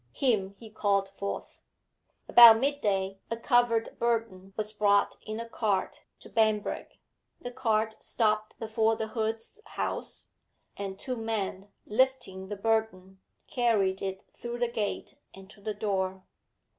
Him he called forth.... About midday a covered burden was brought in a cart to Banbrigg; the cart stopped before the Hoods' house, and two men, lifting the burden, carried it through the gate and to the door.